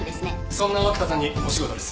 そんな涌田さんにお仕事です。